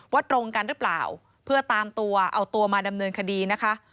ตรงกันหรือเปล่าเพื่อตามตัวเอาตัวมาดำเนินคดีนะคะ